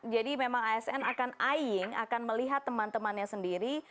jadi memang asn akan eyeing akan melihat teman temannya sendiri